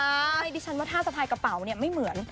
ไอดิชันว่าท่าสะพายกระเป๋าไม่เหมือน